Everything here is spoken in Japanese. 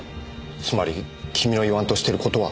つまり君の言わんとしている事は。